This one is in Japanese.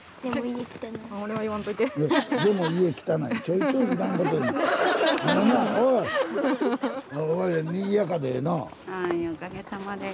はいおかげさまで。